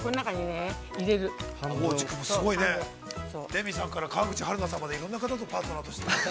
レミさんから、川口春奈さんまで、いろんな方とパートナー。